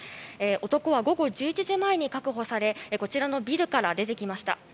男は午後１１時前に確保されたビル前から出てきました。